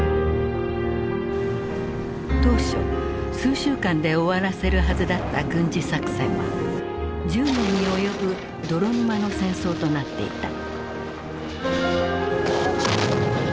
当初数週間で終わらせるはずだった軍事作戦は１０年に及ぶ泥沼の戦争となっていた。